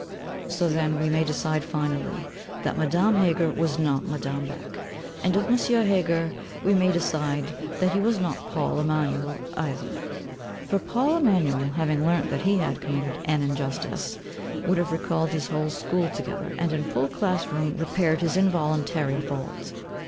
So then we may decide finally, that Madame Heger was not Madame Beck. And of M. Heger we may decide that he was not Paul Emanuel either; for Paul Emanuel having learnt that he had committed an injustice, would have called his whole school together, and in full class room repaired his involuntary fault.